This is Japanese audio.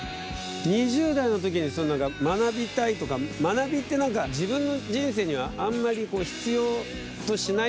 ２０代の時に学びたいとか学びって何か自分の人生にはあんまり必要としないもんだと。